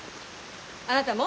あなたも？